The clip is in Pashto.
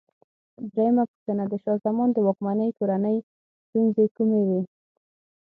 درېمه پوښتنه: د شاه زمان د واکمنۍ کورنۍ ستونزې کومې وې؟